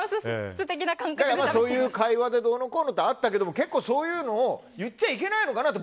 そういう感覚でどうのこうのってあったけど結構そういうのを言っちゃいけないのかなって